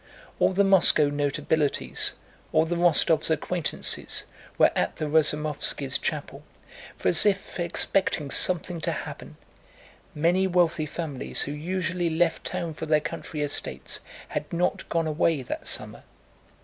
All the Moscow notabilities, all the Rostóvs' acquaintances, were at the Razumóvskis' chapel, for, as if expecting something to happen, many wealthy families who usually left town for their country estates had not gone away that summer.